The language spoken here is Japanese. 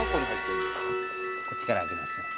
「こっちから開けますね。